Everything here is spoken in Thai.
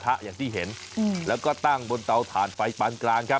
เพราะว่าวันนี้นั้นเราจะพาไปทานอาหารเกาหลีเลิศรถกันนะครับ